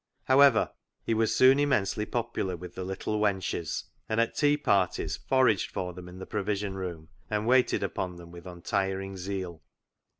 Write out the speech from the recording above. However, he was soon immensely popular with the " little wenches," and at tea parties foraged for them in the provision room, and waited upon them with untiring zeal.